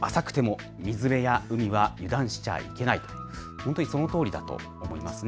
本当にそのとおりだと思います。